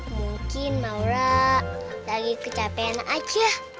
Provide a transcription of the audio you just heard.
mungkin maura kali kecapean aja